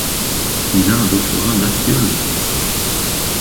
Il a un doctorat d'archéologie.